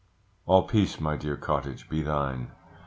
All peace, my dear cottage, be thine!